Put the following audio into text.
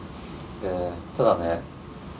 ただね